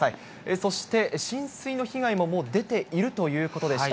そして、浸水の被害ももう出ているということでした。